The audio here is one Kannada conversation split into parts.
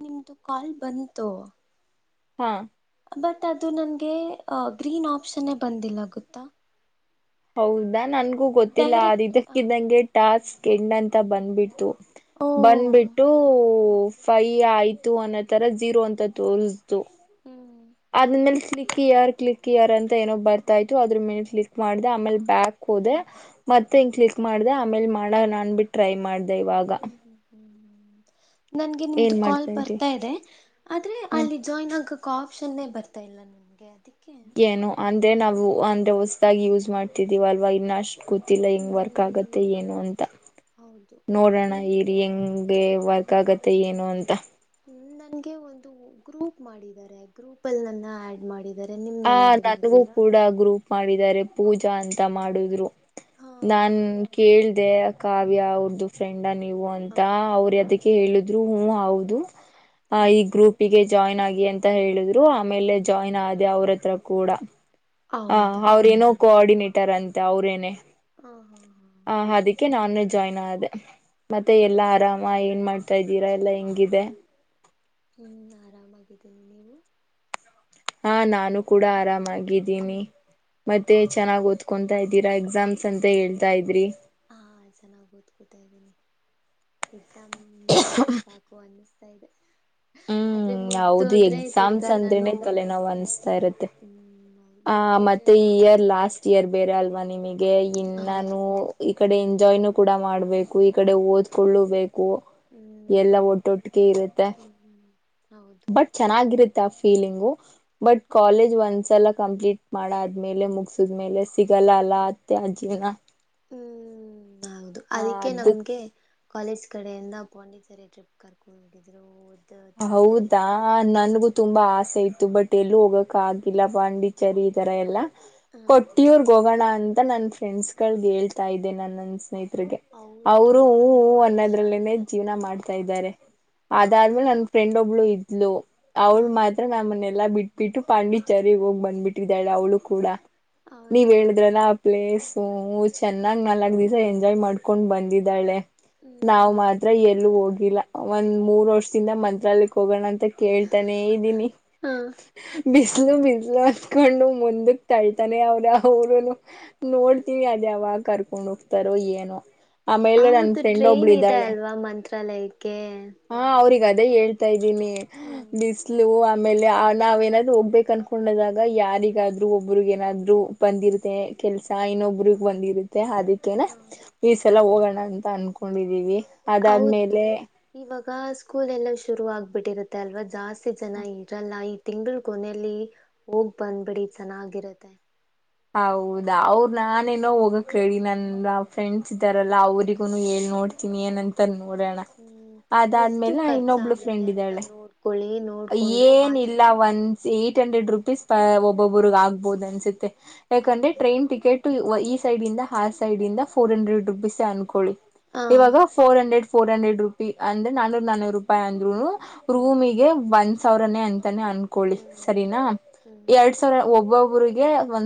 ನಿಮ್ದು ಕಾಲ್ ಬಂತು ಹಾ ಬಟ್ ಅದು ನನ್ಗೆ ಗ್ರೀನ್ ಆಪ್ಷನ್ ಹೇ ಬಂದಿಲ್ಲ ಗೊತ್ತಾ ಹೌದಾ ನನ್ಗೂ ಗೊತ್ತಿಲ್ಲ ಅ ಡೈರೆಕ್ಟ್ ಇದಕ್ಕಿದ್ದಂಗೆ ಟಾಸ್ಕ್ ಎಂಡ್ ಅಂಥ ಬಂದ್ಬಿಡ್ತು ಓ ಹ್ಮ್ ಬಂದ್ಬಿಟ್ಟು ಫೈ ಆಯ್ತು ಅನ್ನೋ ತರ ಜೀರೋ ಅಂತ ತೋರಿಸಿತು ಹ್ಮ್ ಕ್ಲಿಕ್ ಹಿಯರ್ ಕ್ಲಿಕ್ ಹಿಯರ್ ಅಂತ ಏನೋ ಬರ್ತಾ ಇತ್ತು ಅದ್ರ ಮಿನಿ ಕ್ಲಿಕ್ ಮಾಡಿದೆ ಆಮೇಲೆ ಬ್ಯಾಕ್ ಹೋದೆ ಮತ್ತೆ ಮತ್ತ ಹ ಕ್ಲಿಕ್ ಮಾಡಿದೆ ಆಮೇಲೆ ಮಾಡನ ಅನ್ಬಿಟ್ಟಿ ಟ್ರೈ ಮಾಡ ಹ್ಮ್ ಹ್ಮ್ ಹ್ಮ್ ಹ್ಮ್ ನನ್ಗೆ ಏನ್ ನಿಮ್ದು ಕಾಲ್ ಮಾಡ್ತಾ ಇರಿ ಬರ್ತಾ ಇದೆ ಆದ್ರೆ ಹ್ಮ ಅಲ್ಲಿ ಜಾಯಿನ್ ಆಗಕ್ ಆಪ್ಷನ್ನೇ ಬರ್ತಾಯಲ್ಲ ನಮಗೆ ಏನು ಅಂದ್ರೆ ನಾವು ಅಂದ್ರೆ ಹೊಸದಾಗಿ ಯೂಸ್ ಮಾಡ್ತಿದೀವ ಅಲ್ವಾ ಇನ್ನಷ್ಟು ಗೊತ್ತಿಲ್ಲ ಹೆಂಗ್ ವರ್ಕ್ ಹ್ಮ್ ಆಗತ್ತೆ ಏನು ಅಂತ ಹೌದು ನೋಡೋಣ ಹ್ಮ್ ಇರಿ ಹೆಂಗ ಏ ವರ್ಕ್ ಆಗತ್ತೆ ಏನು ಅಂತ. ನನ್ಗೆ ಒಂದು ಗ್ರೂಪ್ ಮಾಡಿದರೆ ಗ್ರೂಪ್ ಅಲ್ಲಿ ನನ್ನ ಆಡ್ ಮಾಡ ಆ ನನಗೂ ಕೂಡ ಗ್ರೂಪ್ ಮಾಡಿದರೆ ಪೂಜಾ ಅಂತ ಮಾಡುದ್ರು. ಹಾ ನಾನ್ ಕೇಳ್ದೆ ಹಾ ಕಾವ್ಯ ಅವ್ರ್ದು ಫ್ರೆಂಡ ನೀವು ಹಾ ಅಂತ ಹಾ ಅವರು ಹಾ ಅದಕ್ಕೆ ಹೇಳುದು ಹೂ ಹೌದು ಹ್ಮ್ ಈ ಗ್ರೂಪ್ಗೆ ಜಾಯಿನ್ ಆಗಿ ಅಂತ ಹೇಳಿದ್ರು ಆಮೇಲೆ ಹಾ ಜಾಯಿನ್ ಆದ ಅವ್ರತ್ರ ಕೂಡ [unintelligible] ಹ ಹೌದಾ ಅವ್ರ ನೋ ಕೋಆರ್ಡಿನೇ ಟ್ಟಾರಂತೆ ಅವ್ರೇನೆೇ. ಹಾ ಹಾ ಹಾ ಹ ಅದಕ್ಕೆ ನಾನು ಜಾಯಿನ್ ಆದೆ ಮತ್ತೆ ಹಾ ಎಲ್ಲಾ ಆರಾಮ ಏನ್ ಮಾಡ್ತ ತಾ ಇದ್ದೀರಾ ಎಲ್ಲಾ ಹೆಂಗಿದೆ. ಹ್ಮ್ ಆರಾಮಾಗಿದ್ದೀನಿ ನೀವು ಹಾ ನಾನು ಕೂಡ ಆರಾಮಾಗಿದ್ದೀನಿ ಹ ಮತ್ತೆ ಚೆನ್ನಾಗಿ ಓದ್ಕೊ ತ ಇದ್ದೀರಾ ಎಕ್ಸಾಮ್ಸ್ ಅಂತ ಹೇಳ್ತಾ ಇದ್ರಿ. ಹಾ ಚೆನ್ನಾಗಾಗಿ ಓದ್ಕೊತಾ ಇದ್ದೀನಿ ಎಕ್ಸಾಮ್ ಮುಗಿದ್ರೆ ಸಾಕು ಅನೂಸ್ ತ ಇದೆ ಆದ್ರೆ ಹ್ಮ್ ಹೌದು ಮುಗ್ದೋದ್ರೆ ಎಕ್ಸಾಮ್ಸ್ ತಿರ್ಗಾ ನಾನು ಅಂದ್ರೆನ ತಲೆನೋವ್ ಅನಿಸ್ತಾ ಇರುತ್ತೆ ಹ್ಮ್ ಹೌದು ಮುಗ್ದೋದ್ರೆ ಮತೆ ನನ್ ಇಯರ್ ಲಾಸ್ಟ್ ಇಯರ್ ಬೇರೆ ಅಲ್ವಾ ಹ್ಮ್ ನಿಮಗೆ ಹೌದು ಇನ್ನಾನು ಈ ಕಡೆ ಎಂಜಾಯ್ನು ಕೂಡ ಮಾಡ್ಬೇಕು ಈ ಕಡೆ ಓದ್ಕೊಳ್ಳು ಬೇಕ್ ಕು ಎಲ್ಲ ಹ್ಮ್ ಒಟ್ಟೊಟ್ಟಿಗೆ ಇರುತ್ತೆ. ಹ್ಮ್ ಹ್ಮ್ ಹೌದು ಬಟ್ ಚೆನ್ನಾಗಿರುತ್ತೆ ಆ ಫೀಲಿಂಗು ಬಟ್ ಹೌದು ಕಾಲೇಜ್ ಒಂದ್ಸಲ ಕಂಪ್ಲೀಟ್ ಮಾಡ ಆದ್ಮೇಲೆ ಮುಗಸದ್ಮೇಲೆ ಸಿಗಲ್ಲ ಅಲ್ಲ ಮತ್ತೆ ಆ ಜೀವನ. ಹ್ಮ್ ಹೌದು ಹ ಅದಕ್ಕೆ ಅದಕ್ ನಮ್ಗೆ ಕಾಲೇಜ್ ಕಡೆಯಿಂದ ಪೋಂಡಿತರಿ ಟ್ರಿಪ್ ಕರ್ಕೊಂಡು ಹೋಗಿದ್ರು ತಿಂಗಳಲ್ಲಿ ಹೌದಾ ನನ್ಗೂ ತುಂಬಾ ಆಸೆ ಇತ್ ಬಟ್ಟೆ ಎಲ್ಲೂ ಹೋಗಕ ಆಗಿಲ್ಲ ಪಾಂಡಿಚರಿ ಈ ತರ ಎಲ್ಲಾ ಹ ಕೊಟ್ಟಿಯುರ್ಗ ಹೋಗೋಣ ಅಂತ ನನ್ ಫ್ರೆಂಡ್ಸ್ ಗಳ ಹೇಳ್ತಾ ಇದ್ದೆ ನಾನ್ ಸ್ನೇಹಿತರಿಗೆ ಹೌದು ಅವರು ಹೂ ಹೂ ತುಂಬಾ ರಶ್ ಆಗಿದೆ ಅನ್ನೋದ್ರಲ್ಲೇನೆೇ ಜೀವನ ಅಂತಲ್ವಾ ಮಾಡ್ತಾ ಇದರೆ. ಹಾ ಅದಾದ್ಮೇಲೆ ನನ್ ಫ್ರೆಂಡ್ ಒಬ್ಳು ಇದ್ಲು ಹ ಅವ್ಳ ಮಾತ್ರ ನಮ್ ನೆಲ್ಲಾ ಬಿಟ್ಬಿಟ್ಟು ಪಾಂಡಿಚರಿ ಹೋಗ್ ಬಂದ್ಬಿಟ್ಟಿದ್ದಾಳೆ ಅವಳು ಕೂಡ. ನೀವ್ ಹೌದಾ ಹೇಳಿದ್ರಲ್ಲ ಆ ಪ್ಲೇಸು ಹ ಚೆನ್ನಾಗ್ ನಾಲ್ಕ್ ದಿಸಾ ಎಂಜ್ ಎಂಜಾಯ್ ಮಾಡ್ಕೊಂಡು ಬಂದಿದಳೆ. ಹ್ಮ್ ನಾವ್ ಮಾತ್ರ ನಮಗೂ ಒಂದ್ ಎಲ್ಲೂ ವಾರ ಹೋಗಿಲ್ಲ ಕರ್ಕೊಂಡ್ ಒಂದ್ ಹೋಗಿದ್ರು ಮೂರ್ ವರ್ಷದಿಂದ ಮಂತ್ರಾಲಕ್ ಹೋಗೋಣಂತ ತೆ ಕೇಳ್ತಾನೆ ಇದೀನಿ ಹ ಬಿಸ್ ಬ್ಲು ಬಿಸ್ಲು ಅತ್ಕೊಂಡು ಮುಂದಕ್ ತಳ್ತನ್ನೇ ಅವ್ರೆ ಅವ್ರುನು ನೋಡ್ತೀನಿ ಅದ್ಯಾವಾಗ ಕರ್ಕೊಂಡ ಹೋಗ್ತಾರೋ ಏನೋ. ಆಮೇಲೆ ನನ್ನ ಹೌದು ಫ್ರೆಂಡ್ಒಬ್ಳು ಟ್ರೈನ್ ಇದೆ ಇದಳೆ [unintelligible] ಅಲ್ವಾ ಮಂತ್ರಾಲಯಕ್ಕೆ ಹಾ ಅವ್ರಿಗ ಹೇಳ್ತಾ ಇದ್ದೀನಿ ಹ್ಮ್ ಬಿಸ್ಲು ಆಮೇಲೆ ನಾವ ಏನಾದ್ರು ಹೋಗ್ಬೇಕು ಅನ್ಕೊಂಡದಾಗ ಯಾರಿಗಾದ್ರು ಒಬ್ಬ್ರಗ ಏನಾದ್ರು ಬಂದಿರುತ್ತೆ ಕೆಲ್ಸ ಹ್ಮ್ ಇನ್ನೊಬ್ರಗ್ ಬಂದಿರುತ್ತೆ ಅದಕ್ಕೇನ ಹ ಈಸಲ ಎಲ್ಲ ಹೋಗೋಣ ಅಂತ ಅನ್ಕೊಂಡಿದೀವಿ ಅದಾದ್ಮೇಲೆ ಆಗ ಸ್ಕೂಲ್ ಎಲ್ಲ ಶುರು ಆಗ್ಬಿಟ್ಟಿರುತ್ತೆ ಅಲ್ವಾ ಜಾಸ್ತಿ ಜನ ಇರಲ್ಲ ಈ ತಿಂಗಲ್ ಕೊನೆಲ್ಲಿ. ಹೋಗ್ ಬಂದ್ಬಿಡಿ ಚೆನ್ನಾಗಿರತ್ತೆ. ಹೌದ ಅವ್ರ ನಾನೇನೋ ಹೋಗಕ್ ರೆಡಿ ನನ್ ಫ್ರೆಂಡ್ಸ್ ಇದಾರಲ್ಲ ಅವ್ರಿಗುನು ಹೇಳ್ ನೋಡ್ತಿನಿ ಏನಂತರ್ ಹ್ಮ್ ಎಷ್ಟು ಖರ್ಚ ಇನ್ನೊಬ್ಳು ಆಗತ್ತೆ ಫ್ರೆಂಡ್ ಅಂತ ಇದ್ದಾಳೆ ನೋಡ್ಕೊಳ್ಳಿ ನೋಡ್ಕೊಂಡು ಮಾತಾಡ್ ಆ ಒನ್ಸ್ ಹಂಡ್ರೆಡ್ ರುಪೀಸ್ ಒಬ್ಬೊಬ್ಬ್ರ ಆಗ್ಬಹುದು ಅನ್ಸುತ್ತೆ ಯಾಕಂದ್ರೆ ಹೌದಾ ಟ್ರೈನ್ ಟಿಕೆಟ್ ಈ ಸೈಡಿಂದ ಆ ಸೈಡಿಂದ ಫೋರ್ ಹಂಡ್ರೆಡ್ ರುಪೀಸ್ ಅನ್ಕೊಳ್ಳಿ ಹ ಇವಾಗ four hundred four hundred rupee ಅಂದ್ರೆ ನಾನೂರು ನಾನೂರು ರೂಪಾಯಿ ಅಂದ್ರು ಹ್ಮ್ ರೂಮಿಗೆ ಒಂದ್ ಸಾವ್ರನೆ ಅಂ ಅನ್ಕೊಳ್ಳಿ ಹ್ಮ್ ಸರಿನಾ ಹ್ಮ್ ಎರಡ್ ಸಾವ್ರ ಒಬ್ಬೊಬರಿಗೆ ಒ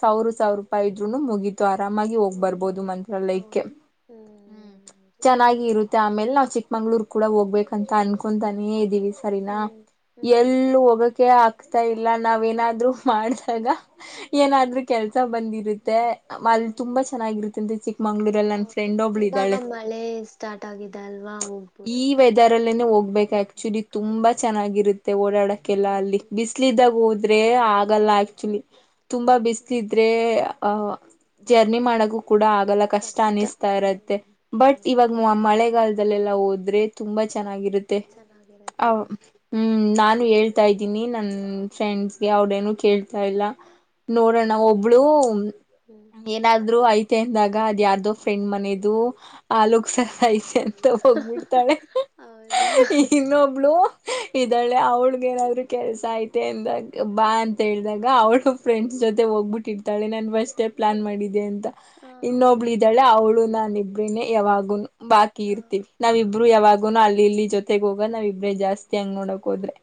ಸಾವಿ ಸಾವಿರ ರೂಪಾಯಿ ಇದ್ರುನು ಮುಗೀತ್ ಆರಾಮಾಗಿ ಹೋಗ್ ಹ್ಮ್ ಹ್ಮ್. ಬರ್ಬೋದು ಮಂತ್ರಾಲಯಕ್ಕೆ ಹೌದು ಹ್ಮ್ ಹೌದು ಚೆನ್ನಾಗಿ ಇರುತ್ತೆ ಆಮೇಲೆ ನಾ ಚಿಕ್ಕಮಂಗ್ಳೂರ್ ಕೂಡ ಹೋಗ್ಬೇಕ ಅಂತ ಅನ್ಕೊಂತಾನೇ ಇದೀವಿ ಸರಿನಾ ಹ್ಮ್ ಹ್ಮ್ ಎಲ್ಲ ಹೋಗಕೆ ಆಗ್ತಾ ಇಲ್ಲ ನಾವೇನಾದ್ರು ಮಾಡಿದಾಗ ಹ ಏನಾದ್ರೂ ಕೆಲ್ಸ ಬಂದಿರುತ್ತೆ ಹ ಅಲ್ಲಿ ತುಂಬಾ ಚೆನ್ನಾಗಿರುತ್ತೆ ಅಂತ ಚಿಕ್ಕ ಹೌದು ಇವಾಗ ಮಳೆ ಸ್ಟಾರ್ಟ್ ಆಗಿದೆ ಅಲ್ವಾ ಹೋಗ್ಬೋುದು ಈ ವೆದರ್ ಹೋಗ್ಬೇಕು ಆಕ್ಚುಲಿ ತುಂಬಾ ಚೆನ್ನಾಗಿರುತ್ತೆ ಓಡಾಡಕ್ಕೆಲ್ಲಾ ಹ್ಮ್ ಅಲ್ಲಿ ಹ್ಮ್ ಬಿಸಲಿದಾಗ ಹೋದ್ರೆ ಆಗಲ್ಲಾ ಹ್ಮ್ ಆಲಿ ತುಂಬಾ ಬಿಸ್ ಇದ್ರೆ ಜರ್ನಿ ಮಾಡ ಕೂಡ ಆಗಲ್ಲ ಕಷ್ಟ ಅನಿಸ್ತಾ ಇರತ್ತೆ ಬಟ್ ಹೌದು ಇವಾಗ ಮಳೆ ಗಾಲದಲ್ಲಲ್ಲಾ ಹೋದ್ರೆ ತುಂಬಾ ಚೆನ್ನಾಗಿರುತ್ತೆ ಚೆನ್ನಾಗಿರತ್ತೆ ಹಾ ಹ್ಮ ಹೇಳ್ತಾ ಇದ್ದೀನಿ ನನ್ ಫ್ರೆಂಡ್ಸ್ಗೆ ಅವಡೇನು ಕೇಳ್ತಾ ಇಲ್ಲ ನೋಡೋಣ ಒಬ್ಳು ಹ್ಮ್ ಏನಾದ್ರರು ಆಯ್ತು ಂದಾಗ ಅದು ಯಾರ್ದೋ ಫ್ರೆಂಡ್ ಮನೆಯದು ಹ ಆಲೋಕ್ಸಯತೆ ಅಂತ ಹೋಗ್ಬಿಡ್ತಾಳೆ ಹೌದಾ ಇನ್ನೊಬ್ಳು ಇದಳೆ ಅವಳಗ ಏನಾದ್ರರು ಕೆಲಸ ಐತೆ ಅಂದಾಗ ಬಾ ಅಂತ ಹೇಳಿದಾಗ ಅವಳು ಫ್ರೆಂಡ್ಸ್ ಜೊತೆ ಹೋಗ್ಬಿಟ್ಟಿರ್ತಾಳೆ ನಾನ ಬಷ್ಟೇ ಪ್ಲಾ ಮಾಡಿದ್ದಿದೆ ಅಂತ ಹಾ ಇನ್ನೊಬ್ಳು ಇದ್ದಾಳೆ ಅವಳು ನಾನ ಇಬ್ರನೇ ಯಾವಗು ನು ಬಾಕಿ ಹಾ ಇರ್ತಿೀವಿ ನಾವ ಇಬ್ರು ಯಾವಾಗನು ಅಲ್ಲಿ ಇಲ್ಲಿ ಜೊತೆಗ ಹೋಗ ನಾವ್ ಇಬ್ರೇ ಜಾಸ್ತಿ ಹಂಗ್ ನೋಡಕ್ ಹೋದ್ರೆ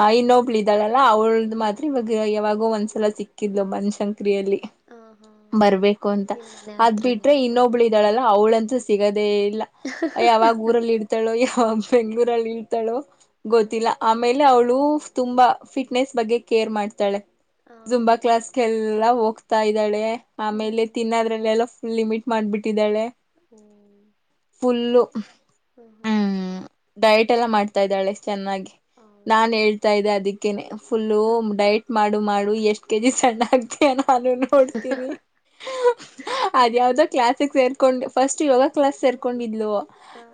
ಓ ಇನ್ನೊಬ್ಳ ಇದಿದ್ದಾಳಲ್ಲ ಅವಳ್ದ ಮಾತ್ರ ಇವಾಗ ಯಾವಾಗೋ ಒಂದ್ಸಲ ಸಿಕ್ಕಿದ್ಲು ಬನ್ಶಂಕರ್ ಕ್ರಲ್ಲಿ ಹಾ ಹಾ ಬರ್ಬೇಕು ಅಂತ ನಿಮ್ಮ ಮನೆ ಅದ್ ಹತ್ರನೇ ಬಿಟ್ರೆ ಅಲ್ವಾ ಇನ್ನೊಬ್ಳು ಹ್ಮ್ ಇದಾಳಲ್ಲ ಅವಳಂತ ಸಿಗದೇ ಇಲ್ಲ ಯಾವಾಗ ಊರಲ್ಲಿ ಇಡ್ತಾಳೋ ಯಾವಾಗ ಬೆಂಗ್ಳೂರಲ್ಲಿ ಇಡ್ತಾಳೋ ಹಾ ಗೊತ್ತಿಲ್ಲ ಆಮೇಲೆ ಅವಳು ತುಂಬಾ ಫಿಟ್ನೆಸ್ ಬಗ್ಗೆ ಕೇರ್ ಮಾಡ್ತಾಳೆ ಹಾ ಜುಂಬಾ ಕ್ಲಾಸ್ಗೆಲ್ಲ ಹೋಗ್ತಾ ಇದ್ದಾಳೆ ಹ್ಮ್ ಆಮೇಲೆ ಹ್ಮ್ ತಿನ್ನೋದ್ರಲ್ಲೆಲ್ಲ ಲಿಮಿಟ್ ಮಾಡ್ಬಿಟ್ಟಿದ್ದಾಳೆ ಹ್ಮ್ ಫುಲ್ಲು ಹ್ಮ್ ಹ್ಮ್ ಡಯಟ್ ಎಲ್ಲ ಮಾಡ್ತಾ ಇದ್ದಾಳೆ ಚೆನ್ನಾಗಿ ಹೌದಾ ನಾನ್ ಹೇಳ್ತಾ ಇದ್ದೆ ಅದಕ್ಕೇನೆ ಫುಲ್ಲು ಡಯಟ್ ಮಾಡು ಮಾಡು ಎಷ್ಟ್ ಕೆಜಿ ಸಣ್ಣ ಆಗ್ತ ನಾನು ಹ ನೋಡ್ತೀನಿ ಅದ ಹಾ ಯಾವ್ದೋ ಕ್ಲಾಸಿಕ್ಸ್ರ್ ಕೊಂಡ್ ಫಸ್ಟ್ ಯೋಗ ಕ್ಲಾಸ್ ತರ್ಕೊಂಡಿದ್ಲು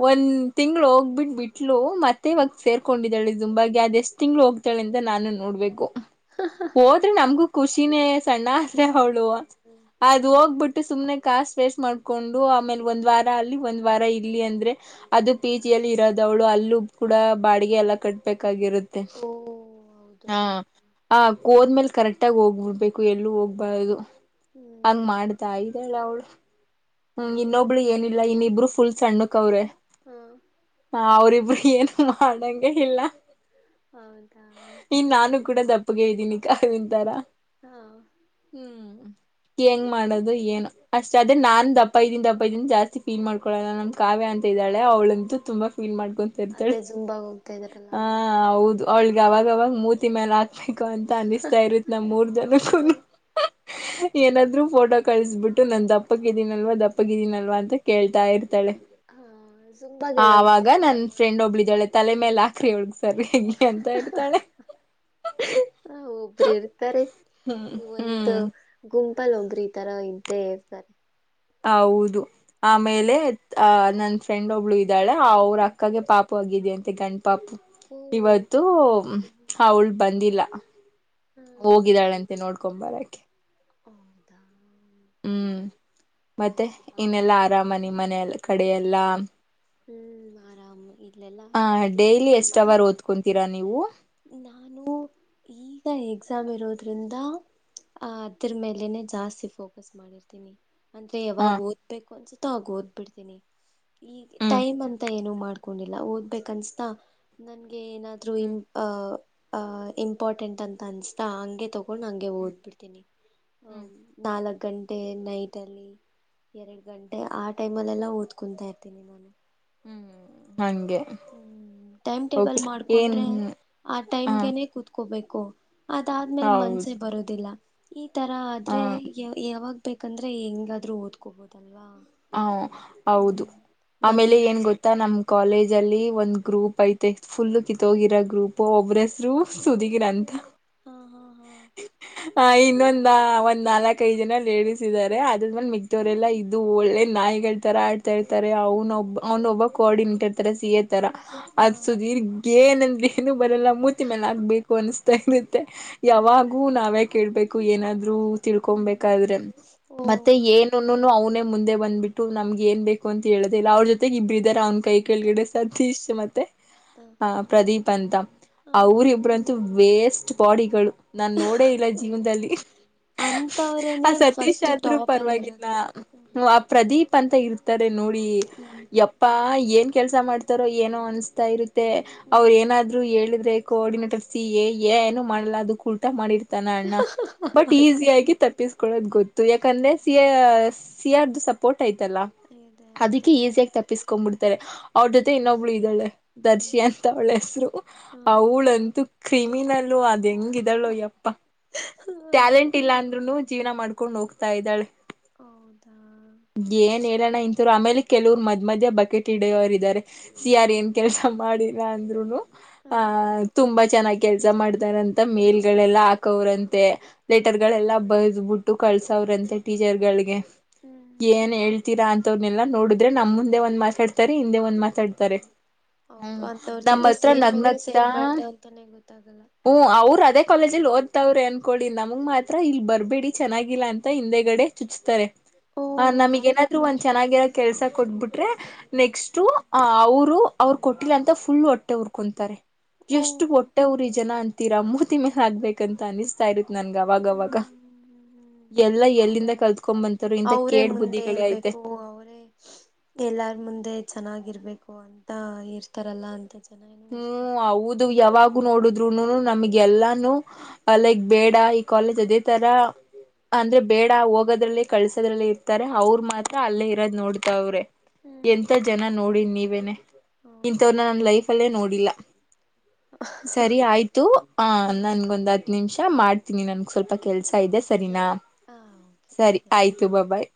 ಒಂದ್ ತಿಂಳು ಹೋಗ್ಬಿಟ್ಟ ಬಿಟ್ಲು ಮತ್ತೆ ಇವಾಗ ಸೇರ್ಕೊಂಡಿದ್ದಾಳೆ ತುಂಬಾಗಿ ಅ್ ಎಷ್ಟ್ ತಿಂಗ್ಗಳು ಹೋಗ್ತಾಳೆ ಅಂತ ನಾನು ನೋಡ್ಬೇಕು ಹೋದ್ರೆ ನಮಗೂ ಖುಷಿನೇ ಸಣ್ಣ ಆದ್ರೆ ಖುಷಿನೇ ಅವಳು ಹ್ಮ್ ಅದು ಹ್ಮ್ ಹೋಗ್ಬಿಟ್ಟು ಸುಮನೆ ಕಸ್ ವ ಮಾಡ್ಕೊಂಡು ಆಮೇಲೆ ಒಂದ್ ವಾರ ಅಲ್ಲಿ ಒಂದ್ ವಾರ ಇಲ್ಲಿ ಅಂದ್ರೆ ಅದು ಪಿ ಜಿಯಲ್ಲಿ ಕಷ್ಟ ಇರೋದವ್ಳು ಅಲ್ಲೂ ಕೂಡ ಬಾಡಿಗೆ ಎಲ್ಲ ಕಟ್ಬೇಕು ರುತ್ತೆ ಓ ಹೌದು ಹ ಆ ಕೋರ್ ಮೇಲೆ ಕರೆಕ್ಟ್ ತ್ತಾಗ ಹೋಗ್ಬಿಡ್ಬೇಕು ಎಲ್ಲೂ ಹೋಗ್ಬಾರ್ದದು ಹಂಗ್ ಹ್ಮ್ ಮಾಡ್ತಾ ಇದ್ದಾಳ ಅವಳು ಹ್ಮ್ ಹೌದು ಇನ್ನೊಬ್ಳು ಏನಿಲ್ಲ ಒಂದ್ಸಾರಿ ದುಡ್ಡು ಇನ್ನಿಬ್ರು ಫುಲ್ ಸಣ್ಣಕ್ ಅವ್ರೆ ಹಾ ಹಾ ಅವರು ಇಬಡಿ ಏನು ಮಾಡಂಗಗೆ ಇಲ್ಲ ಹೌದಾ ಇನ್ ಹ್ಮ ನಾನು ಕೂಡ ದಪ್ಪಗೆ ಇದ್ದೀನಿ ಕ ವಿಂತಾರಾ ಹಾ ಹ್ಮ್ ಹೆಂಗ್ ಮಾಡದು ಏನು ಅಷ್ಟೇ ಅದ್ರ ನಾನ್ ದಪ್ಪ ಇದಿನ ದಪ್ಪ ಇದೀ ಜಾಸ್ತಿ ಫೀಲ್ ಮಾಡಕೊಳ್ಳೋಣ ನಮ್ ಕಾವ್ಯ ಅಂತ ಇದ್ದಳೆ ಅವಳಂತ ಹ್ಮ್ ತುಂಬಾ ಫೀಲ್ ಮಾಡ್ಕೊಂತರ್ತಾಳೆ ಅದೇ ಜುಂಬಾಗ ಹೋಗ್ತಾ ಇದಾರಲ್ಲ ಹ ಅವರ ಹೌದು ಅವಳಿಗೆ ಅವಾಗವಾಗ ಮೂತಿ ಮ್ಯಾಲ ಹಾಕ್ಬೇಕು ಅಂತ ಅನಿಸ್ತಾ ಇರುತ್ ನಮ್ ಮೂರ್ ಜನ ಹ ಏನಾದ್ರು ಫೋಟೋ ಕಳಿಸಬಿಟ್ಟು ನನ್ ದಪ್ಪಕ್ಕ ಇದಿದೀನಲ್ವಾ ದಪ್ಪಗ ಇದಿದೀನಲ್ವಾ ಅಂತ ಕೇಳ್ತಾ ಇರ್ತ ಹಾ ಹ ಜುಂಬಾಗೆಲ್ಲ ಹೋಗ್ತಾ ಅವಾಗ ನನ್ ಇದಾರಲ್ಲ ಫ್ರೆಂಡ್ ಒಬ್ಳಿದಾಳೆ ತಲೆ ಮೇಲೆ ಆಕ್ರ ಒಳಗ್ ಸರಿ ಹಗೆ ಎಂತ ಇರ್ತಾಳೆ ಹ ಒಬ್ರು ಇರ್ತಾರೆ ಹ್ಮ ಹ್ಮ್ ಗುಂಪಲ ಒಬ್ರ ಈ ತರ ಇದ್ದೇ ಇರ್ತ ಹೌದು ಆಮೇಲೆ ಆ ನನ್ ಅ ಫ್ರೆಂಡ್ ಒಬ್ಳ ಇದ್ದಾಳೆ ಅವ್ರ ಹ್ಮ್ ಅಕ್ಕಗೆ ಪಾ ಪು ಆಗಿದೆ ಅಂತೆ ಗಂಡಪಾಪು ಓ ಇವತ್ತು ಅವಳ ಬಂದಿಲ್ಲ. ಹಾ ಹೋಗಿದಾಳಂತೆ ನೋಡ್ಕೊಡ ಬರಕೆ ಹೌದ ಹ್ಮ. ಹ್ಮ ಮತ್ತೆ ಪಾಪು ಇನೆಲ್ಲಾ ಆರಾಮ ನಿ ಚೆನ್ನಾಗಿದೆ ಕಣೆ ಮನೆಯಲ್ಲ ಕಡೆ ನೋಡೋಕ್ಕೆ ಎಲ್ಲಾ ಹ್ಮ್ ಆರಾಮು ಇಲ್ಲೆಲ್ಲಾ ಆ ಆರಾಮಾಗಿದೆ ಡೈಲಿ ಎಷ್ಟ ಮಳೆ ಅವರ್ ಓದ್ಕೊಂತೀರಾ ನೀವು ನಾನು ಈಗ ಎಕ್ಸಾಮ್ ಇರೋದ್ರಿಂದ ಅದ್ರ ಮೇಲೆನೆ ಜಾಸ್ತಿ ಫೋಕಸ್ ಮಾಡಿರ್ತೀನಿ. ಅಂದ್ರೆ ಹ ಯಾವಾಗ ಓದ್ಬೇಕು ಅನ್ಸುತ್ತೋ ಆಗ ಓದ್ಬಿಡ್ತೀನಿ ಈಗ ಹ್ಮ್ ಟೈಮ್ ಅಂತ ಏನು ಮಾಡ ಅಕೊಂಡಿಲ್ಲ ಓದ್ಬೇಕ ಅನ್ಸ್ತಾ ನನ್ಗೆ ಏನಾದ್ರು ಹ್ಮ್ ಅ ಅ ಇಂಪಾರ್ಟೆಂಟ್ ಅಂತ ಅನ್ಸ್ತಾ ಹಂಗೆ ತ ಕೊಂಡ ಹಂಗೆ ಹ್ಮ್ ಓದ್ಬಿಡ್ತೀನಿ ಹ್ಮ್ ನಾಲ್ ಗಂಟೆ ನೈಟ್ ಅಲ್ಲಿ ಎರಡ ಗಂಟೆ ಆ ಟೈಮ್ ಅಲ್ಲ ಎಲ್ಲ ಓದ್ಕೊಂತಾ ಇರ್ತೀನಿ ನಾನು ಹ್ಮ್ ಹಂಗೆ ಟೈಮ್ ಟೇಬಲ್ ಓಕೆ ಏನ್ ಮಾಡ್ಕೊಂಡ್ರೆ ಆ ಹ ಟೈಮ್ಗೆನೆೇ ಕುೂತ್ಕೋಬೇಕು. ಅದಾದ್ಮೇಲೆ ಹೌದು ಮನ್ಸೇ ಬರೋದಿಲ್ಲ ಈ ತರ ಹ ಆದ್ರೆ ಯ ಯಾವಾಗ ಬೇಕಂದ್ರೆ ಹೆಂಗಾದ್ರು ಓದ್ಕೋಬೋದಲ್ವಾ. ಹ ಹೌದು ಹ್ಮ್ ಆಮೇಲೆ ಮನೇಲಿ ಏನ್ ಒಂದ್ ಸ್ವಲ್ಪ ಗೊತ್ತಾ ನಮ್ ಕಾಲೇಜಲ್ಲಿ ಒಂದ್ ಗ್ರೂಪ್ ಐತೆ. ಫುಲ್ ಕಿತ್ತೋಗಿರ ಗ್ರೂಪ್ ಒಬ್ರಸರು ಸುದಿರ ಹ್ಮ್ ಅಂತ ಹಾ ಹಾ ಹಾ ಆ ಇನ್ನೊಂದ ಒಂದ್ ನಾಲ್ಕಐದ ಜನ ಲೇಡಿಸ್ ಇದಾರೆ. ಅದ್ರಂದ ಹ್ಮ್ ಮಿಕ್ಕದವರೆಲ್ಲ ಇದ್ದ ಇದು ಒಳ್ಳೆ ನಾಯಿಗಳ ತರ ಆಡ್ತಾ ಇರ್ತಾರೆ ಅವನ ಒಬ್ಬ ಅವನ ಒಬ್ಬ ಕೋಆರ್ಡಿನೇಟರ್ ತರ ಸಿ ಎತ್ ಹಾ ಅದ ಸುದೀರ್ಘ ಏನಂದ್ರ ಏನು ಬರಲ್ಲ ಮೂತಿ ಮೇಲೆ ಆಕ್ಬೇಕು ಅನಿಸತಾ ಇರತ್ತೆ. ಹೌದಾ ಯಾವಾಗೂ ನಾವೇ ಕೇಳ್ಬೇಕು ಏನಾದ್ರು. ಹ್ಮ್ ತಿಳ್ಕೊಬೇಕಾದ್ರೆ ಓ ಮತ್ತೆ ಏನನ್ನುನೂ ಅವನೇ ಮುಂದ ಬಂದ್ಬಿಟ್ಟು ನಮ್ಗೆ ಏನ್ ಬೇಕ ಅಂತ ಹೇಳುದ ಇಲ್ಲ ಅವ್ರ ಹೇಳಿದೆ ಜೊತೆಗೆ ಇಬ್ಬ್ರ ಹ್ಮ್ ಇದಾರ ಅವ್ನ್ ಕೈ ಕೆಳಗಡೆ ಸತೀಶ ಮತ್ತೆ ಹ ಅ ಪ್ರದೀಪ್ ಅಂತ ಹಾ ಅವರಿಬ್ರಾಂತು ವೇಸ್ಟ್ ಬಾಡಿಗಳು ನಾನ್ ನೋಡೇ ಇಲ್ಲ ಜೀವನದಲ್ಲಿ ಆ ಅಂತವ್ರೇನೆ ಸತೀಶ್ ಫಸ್ಟ್ ಆದ್ರೂ ಟಾಪ್ ಅಲ್ಲಿ ಪರವಾಗಿಲ್ಲ ಇರೋದು ಆ ಹ್ಮ್ ಪ್ರದೀಪ್ ಅ ಇರ್ತಾರೆ ನೋಡಿ ಹ್ಮ್ ಯಪ್ಪಾ ಏನ್ ಕೆಲ್ಸ ಮಾಡ್ತಾರೋ ಏನೋ ಅನ್ಸ್ತಾ ಇರುತ್ತ. ತ್ತ ಅವ್ರ ಹ್ಮ್ ಏನಾದ್ರು ಹೇಳಿದ್ರೆ ಕೋಆರ್ಡಿನೇಟರ್ಸ ಏ ಏನು ಹ್ಮ್ ಮಾಡಲ್ಲ ಅದ ಮಾಡಿರ್ತಾನ ಅಣ್ಣ ಬಟ್ ಈಸಿ ಆಗಿ ತ ತ ಪಿಸ್ಕೊಳ್ಳೋದ್ ಗೊತ್ತು ಯಾಕಂದ್ರೆ ಸಿ ಸಿಯರ್ದ ಸಪೋರ್ಟ್ ಐಯ್ತಲ್ಲ. ಇದೆ ಹೌದು ಅದಕ್ಕೆ ಈಸಿಯಾಗಿ ತಪ್ಪಿಸ್ಕೊಬಿಡ್ತಾರೆ ಅವ್ರ ಹ್ಮ್ ಜೊತೆ ಇನ್ನೊಬ್ಳು ಇದ್ದಾಳೆ ದರ್ಶಿ ಹ್ಮ್ ಅಂತ ಅವಳ ಹೆಸರು. ಅವಳಂತೂ ಕ್ರಿಮಿನಲ್ಲೂ ಅ ಇದ್ದಳು ಯಪ್ಪಾ ಹ್ಮ್ ಟ್ಯಾಲೆಂಟ್ ಇಲ್ಲ ಅಂದ್ರೂನು ಜೀವನ ಮಾಡ್ಕೊಂಡು ಹೋಗ್ತಾ ಇದ್ದಾಳೆ. ಹೌದಾ ಏನ್ ಹೇಳೋಣ ಇಂಥರು ಆಮೇಲೆ ಕೆಲವರು ಮದ್ ಮಧ್ಯ ಬಕೆಟ್ ಹಿಡಿಯೋರಿದಾರೆ. ಸಿ ಆರ್ ಹ್ಮ್ ಏನ್ ಕೆಲ್ಸ ಮಾಡಿಲ್ಲ ಅಂದ್ರುನು ಹಾ ಆ ತುಂಬಾ ಚೆನ್ನಾಗ ಕೆಲ್ಸ ಸರಿ ಮಾಡ್ತಾರಂತ ಮೇಲ್ ಹ್ಮ್ ಎಲ್ಲ ಹಾಕೋರಂತೆ ಲೇಟರ್ ಹ್ಮ್ ಗಳೆಲ್ಲ ಬರ್ದಬಿಟ್ಟು ಕಳ್ಸವ್ರಂತೆ ಟೀಚರ್ ಗಳಿಗೆ ಏನ್ ಹ್ಮ್ ಹೇಳ್ತೀರಾ ಅಂತವರನೆೆಲ್ಲಾ ನೋಡಿದ್ರೆ ನಮ್ಮ ಮುಂದೆ ಒಂದ್ ಮಾತಾಡ್ತಾರೆ. ಮುಂದೆ ಒಂದ್ ಹ್ಮ್ ಮಾತಾಡ್ತಾರೆ. ಹೌದು ಹ್ಮ್ ಅಂತವ್ರ ನಮ್ಮ ಜೊತೆ ಹತ್ರ ಸೇರ್ಬೇಕಾ ನಗ್ನಗ್ತಾ ಸೇರ್ಬಾರ್ದಾ ಅಂತಾನೇ ಗೊತ್ತಾಗಲ್ಲ. ಹ್ಮ್ ಅವ್ರು ಅದೇ ಕಾಲೇಜಲ್ಲಿ ಓದ್ತಾವ್ರೆ ಅನ್ಕೊಳ್ಳಿ ನಮಗ್ ಮಾತ್ರ ಇಲ್ ಬರ್ಬೇಡಿ ಚೆನ್ನಾಗಿಲ್ಲ ಅಂತ ಹಿಂದೆಗಡೆ ಚುಚ್ಸ್ತಾರೆ. ಓ ಆ ನಮಗ್ ಏನಾದ್ರು ಆತರಲ್ಲ ಒಂದ ಚೆನ್ನಾಗಿರೋ ಕೆಲ್ಸ ಕೊಟ್ಬಿಟ್ರೆ ಹ ನೆಕ್ಸ್ಟು ಅ ಅವರು ಅವರ ಕೊಟ್ಟಿಲ್ಲ ಅಂತ ಫುಲ್ ಹೊಟ್ಟೆ ಊರ್ ಕೊಂತಾರೆ ಓ ಎಷ್ಟ ಹೊಟ್ಟೆ ಉರಿ ಜನ ತೀರಾ ಮೂತಿ ಮೇಲೆ ಹಾಕ್ಬೇಕಂತ ಅನಿಸ್ತಾ ಇರುತ್ತ ನನ್ಗ ಹ್ಮ್ ಅವಾಗವಾಗ ಎಲ್ಲಾ ಎಲ್ಲಿಂದ ಆತರ ಇರ್ತಾರೆ ಕಲ್ತ್ಕೊಂಡ್ ಬಂತಾರೋ ಇಂತ ಅವರೇ ಕೇಡ್ ಮುಂದೆ ಬುದ್ಧಿಗಳೇ ಐತೆ ಇರ್ಬೇಕು ಅವರೇ ಎಲ್ಲಾರ ಮುಂದೆ ಚೆನ್ನಾಗಿರ್ಬೇಕು ಅಂತ ಇರ್ತಾರಲ್ಲ ಅಂತ ಜನ ಏನು ಇರ್ತಾರೆ ಹ್ಮ್ ಹೌದು ಯಾವಾಗ್ ಅದ್ರೂ ನೋಡುದ್ರುನು ನಮಗೆ ಎಲ್ಲಾನು ಅಲ್ಲಿಗ್ ಬೇಡ ಈ ಕಾಲೇಜ್ ಅದೇ ತರ ಹ್ಮ್ ಅಂದ್ರೆ ಬೇಡ ಹೋಗದ್ರಲ್ಲಿ ಕಳ್ಸೋದ್ರಲ್ಲಿ ತಾರೆ ಅವ್ರ ಹ್ಮ್ ಮಾತ್ರ ಅಲ್ಲೇ ಇರೋದ್ ನೋಡ್ತಾವ್ರೆ ಎಂತ ಹ್ಮ್ ಜನ ನೋಡಿ ನೀವೇನೆ ಹೌದು ಇಂತವರನ್ನ ನನ್ ಲೈಫ್ ಲೈಪ್ ಅಲ್ಲೇ ನೋಡಿಲ್ಲ ಸರಿ ಹಾಂ ಆಯ್ತು ಆ ನನ್ಗೊಂದ್ ಹತ್ತು ನಿಮಿಷ ಮಾಡ್ತೀನಿ ನನ್ಗ್ ಸ್ವಲ್ಪ ಕೆಲಸ ಇದೆ ಸರಿನಾ ಸರಿ ಹಾಂ ಓಕೆ ಸರಿ ಆಯ್ತು ಬಾ ಬಾಯ್